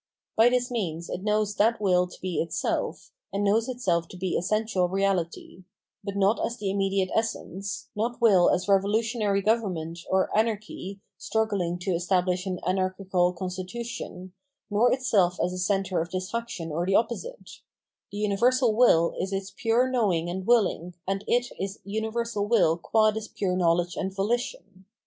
By this means it knows that will to be itself, and knows itself to be essential reahty ; but not as the immediate essence, not wiU as revolutionary * In the sense of abstract autonomy. 604 Phetwnienology of Mind government or anarchy struggling to establish an anar chical constitution, nor itself as a centre of this faction or the opposite : the universal wiU is its pure knowing and willing, and it is universal will qua this pure knowledge and volition.